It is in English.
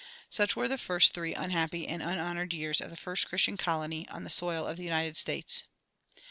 Such were the first three unhappy and unhonored years of the first Christian colony on the soil of the United States.